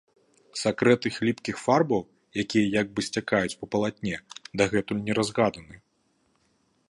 Сакрэт іх ліпкіх фарбаў, якія як бы сцякаюць па палатне, дагэтуль не разгаданы.